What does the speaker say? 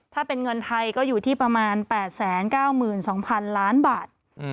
ถ้าเป็นเงินไทยก็อยู่ที่ประมาณ๘๙๒๐๐๐ล้านบาท